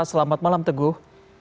selamat malam teguh